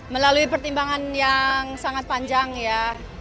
melalui pertimbangan yang sangat panjang ya